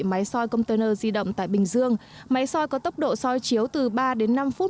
máy soi container di động tại bình dương máy soi có tốc độ soi chiếu từ ba đến năm phút